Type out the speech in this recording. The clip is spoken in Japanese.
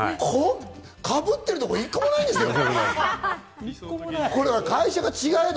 かぶっているところ１個もないんですよね。